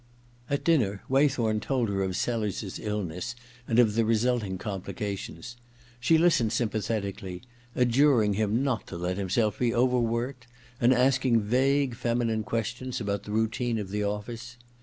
At dinner Waythorn told her of Sellers's illness and of the resulting complications. She listened sympathetically, adjuring him not to let himself be overworked, and asking vague feminine questions about the routine of the office.